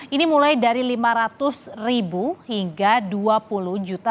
ini mulai dari rp lima ratus hingga